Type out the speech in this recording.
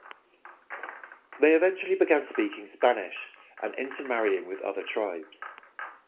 They eventually began speaking Spanish and inter-marrying with other tribes.